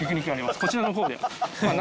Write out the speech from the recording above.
こちらのほうで。